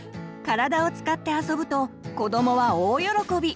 体を使って遊ぶと子どもは大喜び！